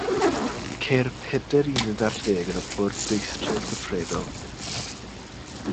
Ceir pedair uned ar ddeg yn y bwrdeistref cyfredol.